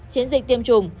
chiến dịch tiêm chủng